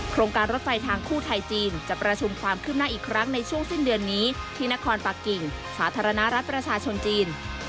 โครงการรถไฟทางคู่ไทยจีนจะประชุมความคืบหน้าอีกครั้งในช่วงสิ้นเดือนนี้ที่นครปะกิ่งสาธารณรัฐประชาชนจีน